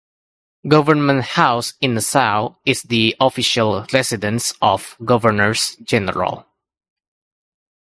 Government House in Nassau is the official residence of governors-general.